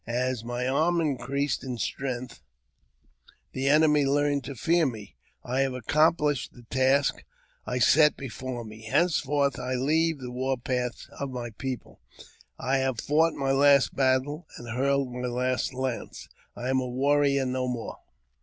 As my arm increased in strength, the enemy learned to fear me. I have accom plished the task I set before me ; henceforward I leave the war paths of my people ; I have fought my last battle, and hurled my last lance ; I am a warrior no more.